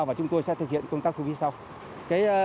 và chúng tôi sẽ thực hiện công tác thu phí sau